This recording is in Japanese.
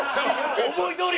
思いどおり！